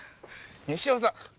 西尾さん。